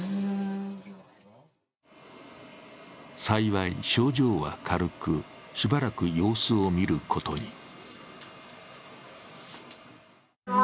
幸い症状は軽く、しばらく様子を見ることに。